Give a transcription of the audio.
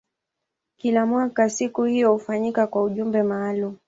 Kila mwaka siku hiyo hufanyika kwa ujumbe maalumu.